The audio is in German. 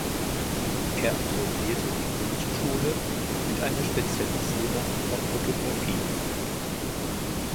Er absolvierte die Kunstschule mit einer Spezialisierung auf Fotografie.